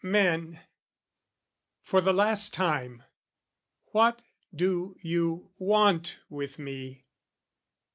Men, for the last time, what do you want with me?